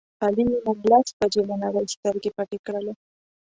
علي نن لس بجې له نړۍ سترګې پټې کړلې.